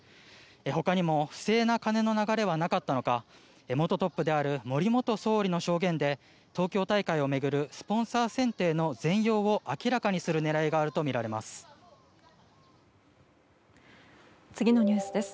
他にも不正な金の流れはなかったのか元トップである森元総理の証言で東京大会を巡るスポンサー選定の全容を明らかにする狙いがあるとみられます。